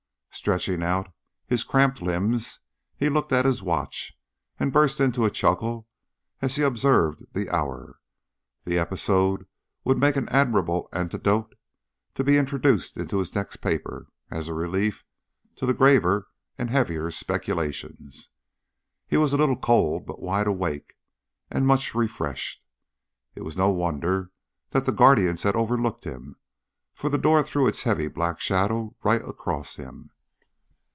Stretching out his cramped limbs, he looked at his watch, and burst into a chuckle as he observed the hour. The episode would make an admirable anecdote to be introduced into his next paper as a relief to the graver and heavier speculations. He was a little cold, but wide awake and much refreshed. It was no wonder that the guardians had overlooked him, for the door threw its heavy black shadow right across him.